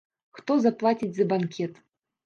Хто заплаціць за банкет?